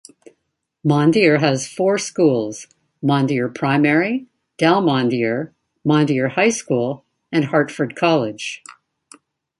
Mondeor has four schools; Mondeor Primary, Dalmondeor, Mondeor High School and Hartford College.